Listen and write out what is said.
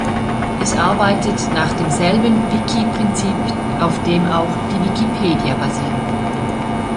Es arbeitet nach demselben Wiki-Prinzip, auf dem auch die Wikipedia basiert.